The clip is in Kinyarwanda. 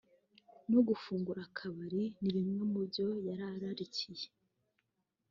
no gufungura akabari ni bimwe mu byo yari ararikiye